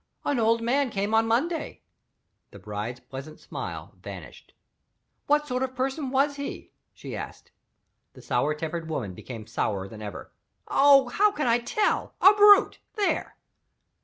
"An old man came on Monday." The bride's pleasant smile vanished. "What sort of person was he?" she asked. The sour tempered woman became sourer than ever. "Oh, how can I tell! A brute. There!"